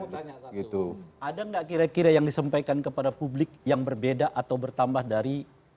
saya mau tanya satu ada enggak kira kira yang disampaikan kepada publik yang berbeda atau bertambah dari